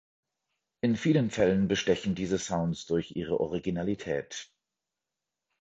In vielen Fällen bestechen diese Sounds durch ihre Originalität.